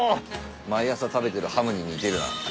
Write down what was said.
毎朝食べてるハムに似てるな。